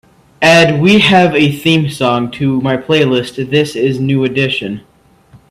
Add we have a theme song to my playlist This Is New Edition